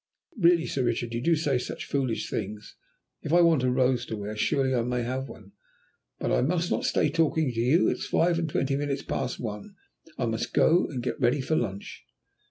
"Really, Sir Richard, you do say such foolish things. If I want a rose to wear surely I may have one. But I must not stay talking to you, it's five and twenty minutes past one. I must go and get ready for lunch."